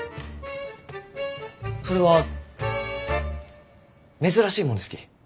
それは珍しいもんですき。